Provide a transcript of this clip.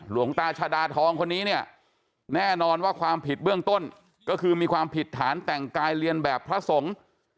หลวงตาชาดาทองคนนี้เนี่ยแน่นอนว่าความผิดเบื้องต้นก็คือมีความผิดฐานแต่งกายเรียนแบบพระสงฆ์